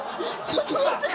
ちょっと待って。